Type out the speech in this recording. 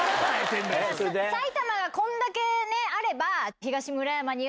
埼玉がこんだけあれば。